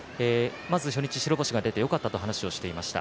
初日白星が出てよかったと話をしていました。